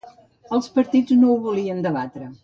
Els partits no ho volien debatre.